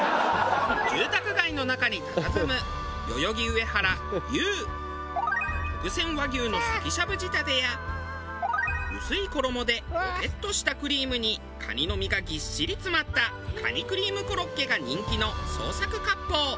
住宅街の中にたたずむ特選和牛のすきしゃぶ仕立てや薄い衣でぼてっとしたクリームにカニの身がぎっしり詰まったカニクリームコロッケが人気の創作割烹。